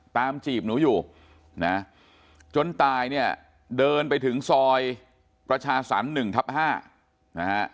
ตามจีบหนูอยู่จนตายเนี่ยเดินไปถึงซอยประชาสรรค์หนึ่งทับห้า